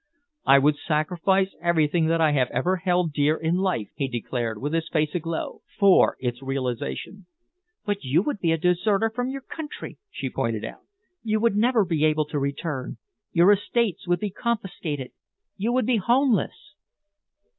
"I would sacrifice everything that I have ever held dear in life," he declared, with his face aglow, "for its realization." "But you would be a deserter from your country," she pointed out. "You would never be able to return. Your estates would be confiscated. You would be homeless."